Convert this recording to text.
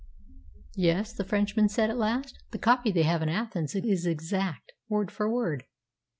"Yes," the Frenchman said at last, "the copy they have in Athens is exact word for word."